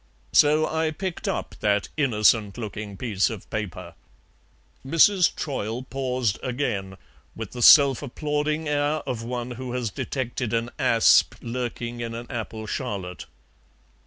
So I picked up that innocent looking piece of paper." Mrs. Troyle paused again, with the self applauding air of one who has detected an asp lurking in an apple charlotte.